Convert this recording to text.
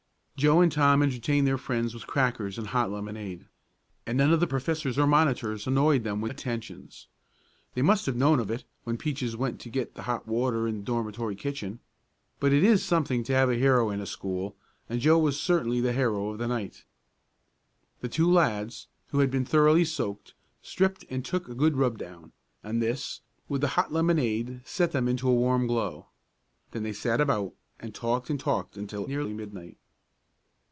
Joe and Tom entertained their friends with crackers and hot lemonade, and none of the professors or monitors annoyed them with attentions. They must have known of it, when Peaches went to get the hot water in the dormitory kitchen, but it is something to have a hero in a school, and Joe was certainly the hero of the night. The two lads, who had been thoroughly soaked, stripped and took a good rub down, and this, with the hot lemonade, set them into a warm glow. Then they sat about and talked and talked until nearly midnight.